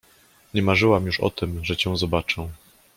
— Nie marzyłam już o tym, że cię zobaczę!